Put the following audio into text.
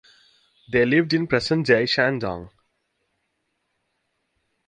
They lived in present-day Shandong.